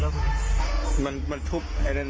อ๋อเตรกแล้วใช่ไหม